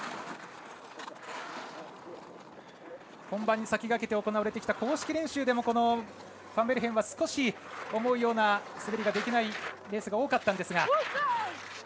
本番に先駆けて行われてきた公式練習でもファンベルヘンは少し思うような滑りができないレースが多かったんですが。